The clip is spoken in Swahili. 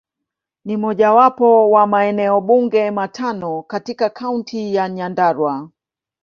Ni mojawapo wa maeneo bunge matano katika Kaunti ya Nyandarua.